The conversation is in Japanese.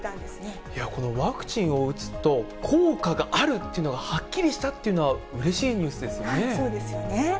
このワクチンを打つと、効果があるっていうことがはっきりしたっていうのは、うれしいニそうですよね。